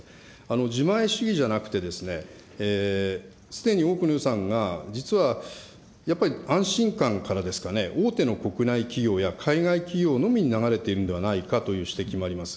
自前主義じゃなくて、すでに多くの予算が、実はやっぱり安心感からですかね、大手の国内企業や海外企業のみに流れているんじゃないかという指摘もあります。